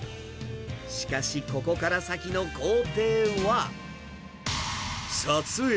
しかし、ここから先の工程は。